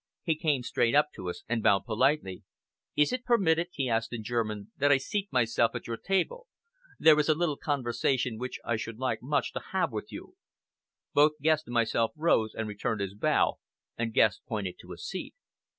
He came straight up to us, and bowed politely. "Is it permitted," he asked in German, "that I seat myself at your table? There is a little conversation which I should much like to have with you!" Both Guest and myself rose and returned his bow, and Guest pointed to a seat.